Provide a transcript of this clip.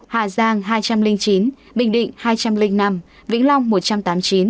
hà giang hai trăm linh chín bình định hai trăm linh năm